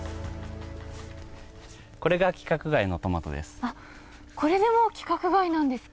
これが規格外のトマトです。